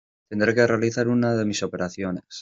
Tendré que realizar una de mis operaciones.